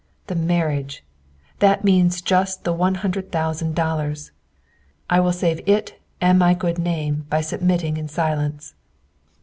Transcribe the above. "The marriage! That means just the one hundred thousand dollars! I will save it and my good name by submitting in silence."